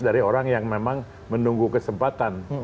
dari orang yang memang menunggu kesempatan